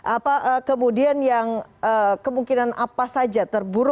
apa kemudian yang kemungkinan apa saja terburuk yang akan terjadi